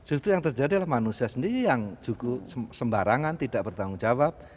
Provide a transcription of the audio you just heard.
justru yang terjadi adalah manusia sendiri yang sembarangan tidak bertanggung jawab